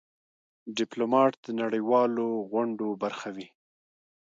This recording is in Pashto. ډيپلومات د نړېوالو غونډو برخه وي.